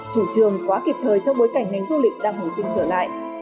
chủ trường quá kịp thời trong bối cảnh ngành du lịch đang hồi sinh trở lại